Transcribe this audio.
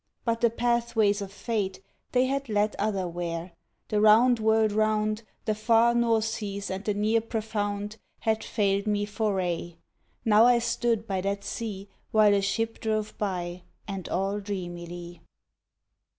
But the path ways of fate They had led otherwhere. The round world round, The far North seas and the near profound Had failed me for aye. Now I stood by that sea While a ship drove by, and all dreamily.